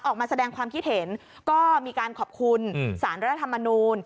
ออกมาแสดงความคิดเห็นก็มีการขอบคุณสารรัฐธรรมนูล